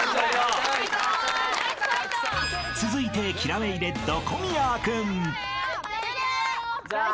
［続いてキラメイレッド］